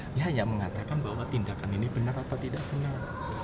dia hanya mengatakan bahwa tindakan ini benar atau tidak benar